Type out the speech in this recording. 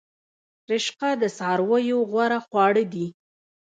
رشقه د څارویو غوره خواړه دي